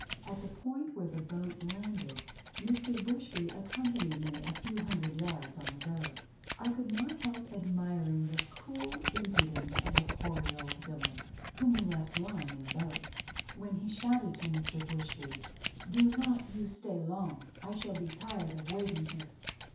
At the point where the boat landed, Mr. Bushby accompanied me a few hundred yards on the road: I could not help admiring the cool impudence of the hoary old villain, whom we left lying in the boat, when he shouted to Mr. Bushby, "Do not you stay long, I shall be tired of waiting here."